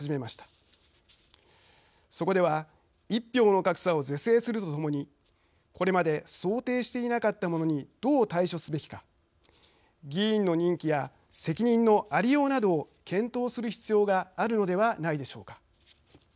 そこでは１票の格差を是正するとともにこれまで想定していなかったものにどう対処すべきか議員の任期や責任のありようなどを検討する必要があるのではないでしょうか。